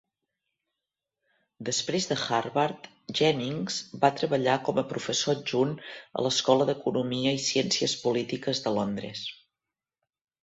Després de Harvard, Jennings va treballar com a professor adjunt a l'Escola d'Economia i Ciències Polítiques de Londres.